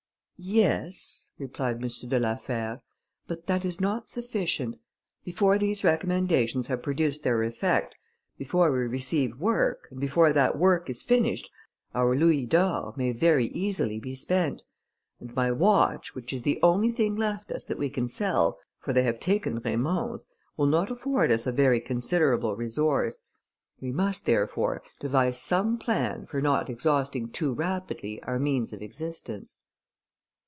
"Yes," replied M. de la Fère, "but that is not sufficient. Before these recommendations have produced their effect, before we receive work, and before that work is finished, our louis d'or may very easily be spent; and my watch, which is the only thing left us that we can sell, for they have taken Raymond's, will not afford us a very considerable resource: we must, therefore, devise some plan for not exhausting too rapidly our means of existence."